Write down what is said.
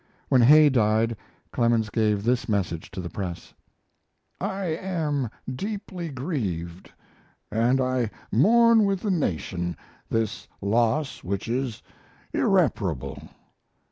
When Hay died Clemens gave this message to the press: I am deeply grieved, & I mourn with the nation this loss which is irreparable.